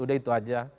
udah itu aja